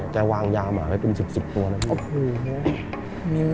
แกวางยาหมากัน๑๐ตัวนะพี่